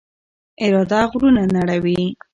اراده غرونه نړوي.